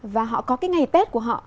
và họ có cái ngày tết của họ